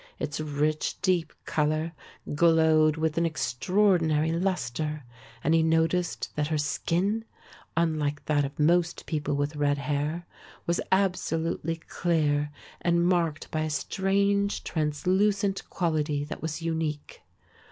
Its rich deep colour glowed with an extraordinary lustre and he noticed that her skin, unlike that of most people with red hair, was absolutely clear and marked by a strange translucent quality that was unique.